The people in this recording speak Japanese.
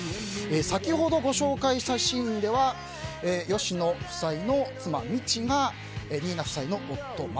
先ほどご紹介したシーンでは吉野夫妻の妻みちが新名夫婦の夫・誠。